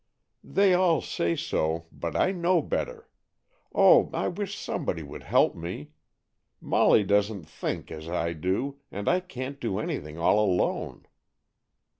"They all say so, but I know better. Oh, I wish somebody would help me! Molly doesn't think as I do, and I can't do anything all alone."